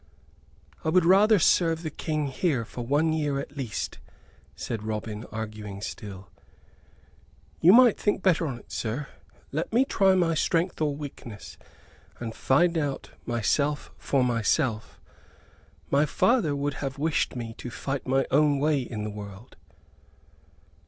"I would rather serve the King here for one year, at least," said Robin, arguing still. "You might think better on't, sir. Let me try my strength or weakness; and find out myself for myself. My father would have wished me to fight my own way in the world."